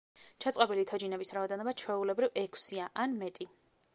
ჩაწყობილი თოჯინების რაოდენობა, ჩვეულებრივ, ექვსია ან მეტი.